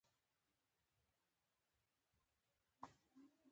ناراضي قوتونه په دې باور وه.